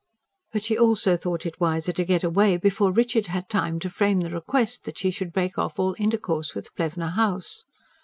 But she also thought it wiser to get away before Richard had time to frame the request that she should break off all intercourse with Plevna House.